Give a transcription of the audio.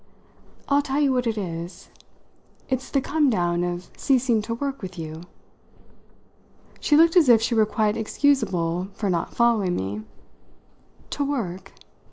"I'll tell you what it is: it's the come down of ceasing to work with you!" She looked as if she were quite excusable for not following me. "To 'work'?"